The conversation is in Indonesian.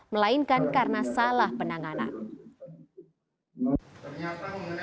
melainkan karena salah penanganan